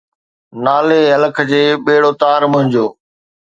نالي الک جي، ٻيڙو تار منھنجو.